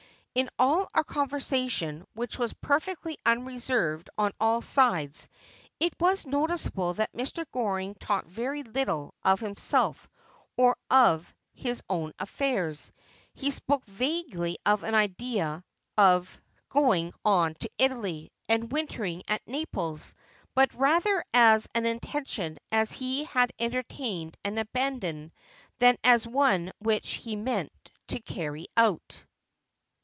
'In all our conversation, which was perfectly unreserved on all sides, it was noticeable that Mr. Goring talked very little of himself or of his own affairs. He spoke vaguely of an idea of ^Sens Luce hath brought vs to fhh Piteous End.' 'ill going on to Italy, and wintering at Naples, but rather as an intention he had entertained and abandoned, than as one which he meant to carry out.